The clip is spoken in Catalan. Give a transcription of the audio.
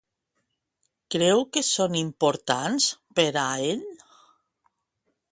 Creu que són importants per a ell?